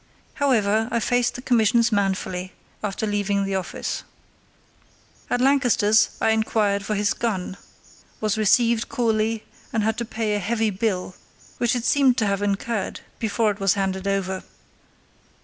However, I faced the commissions manfully, after leaving the office. At Lancaster's I inquired for his gun, was received coolly, and had to pay a heavy bill, which it seemed to have incurred, before it was handed over.